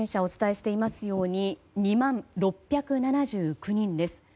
お伝えしていますように２万６７９人です。